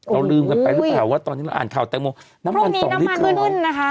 เราลืมกันไปหรือเปล่าตอนนี้เราอ่านข่าวน้ำมัน๒ลิตรพรุ่งนี้น้ำมันขึ้นด้วยนะคะ